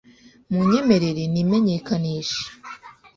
Munyemerere nimenyekanishe .